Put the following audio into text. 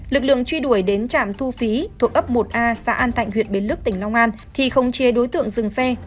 lực lượng truy đuổi đến trạm thu phí thuộc ấp một a xã an thạnh huyện bến lức tỉnh long an thì không chế đối tượng dừng xe